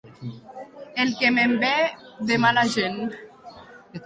El que ment ve de mala gent.